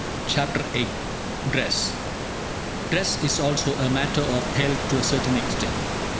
CHAPTER VIII DRESS Dress is also a matter of health to a certain extent.